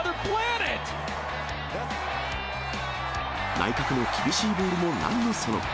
内角の厳しいボールもなんのその。